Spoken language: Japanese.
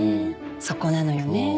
そこなのよねえ。